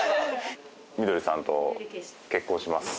みどりさんと結婚します。